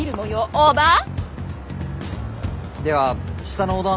オーバー。